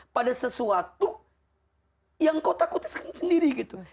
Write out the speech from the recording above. pada sesuatu yang kau takutkan sendiri gitu